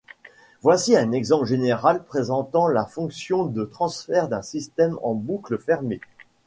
Voici un exemple général présentant la fonction de transfert d'un système en boucle fermée.